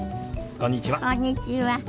こんにちは。